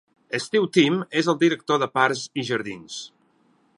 Stew Timm és el director de parcs i jardins.